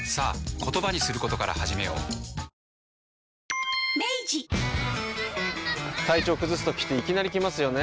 「ディアナチュラ」体調崩すときっていきなり来ますよね。